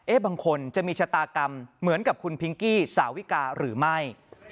บางคนจะมีชะตากรรมเหมือนกับคุณพิงกี้สาวิกาหรือไม่